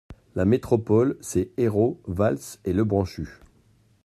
La métropole, c’est Ayrault, Valls et Lebranchu.